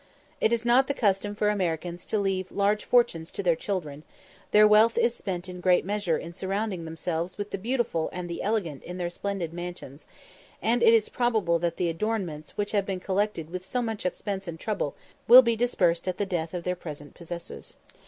It is not the custom for Americans to leave large fortunes to their children; their wealth is spent in great measure in surrounding themselves with the beautiful and the elegant in their splendid mansions; and it is probable that the adornments which have been collected with so much expense and trouble will be dispersed at the death of their present possessors.